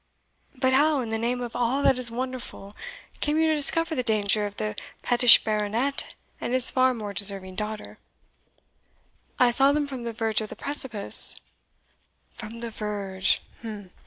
"But how, in the name of all that is wonderful, came you to discover the danger of the pettish Baronet and his far more deserving daughter?" "I saw them from the verge of the precipice." "From the verge!